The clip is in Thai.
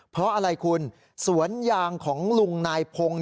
เพราะอะไรคุณสวนยางของลุงนายพงศ์